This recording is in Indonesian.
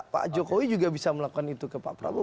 pak jokowi juga bisa melakukan itu ke pak prabowo